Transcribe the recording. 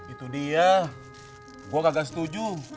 itu dia gue kagak setuju